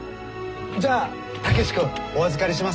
じゃあ武志君お預かりします。